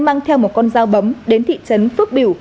mang theo một con dao bấm đến thị trấn phước biểu